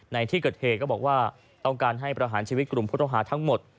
ในที่เกิดเหตุก็บอกว่าต้องการให้ประหารชีวิตกลุ่มผู้ต้องหาทั้งหมด